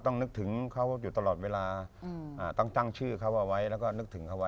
นึกถึงเขาอยู่ตลอดเวลาต้องตั้งชื่อเขาเอาไว้แล้วก็นึกถึงเขาไว้